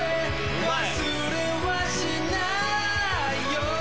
忘れはしないよ